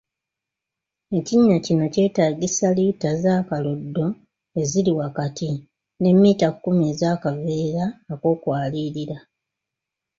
Ekinnya kino kyetaagisa liita z’akaloddo eziri wakati ne mmita kkumi ez’akaveera ak’okwalirira.